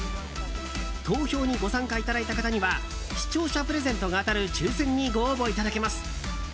投票にご参加いただいた方には視聴者プレゼントが当たる抽選にご応募いただけます。